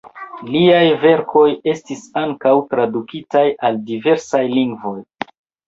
Liaj verkoj estis ankaŭ tradukitaj al diversaj lingvoj.